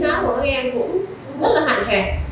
thì nguyên cả cái trí nát của các em cũng rất là hạn hẹp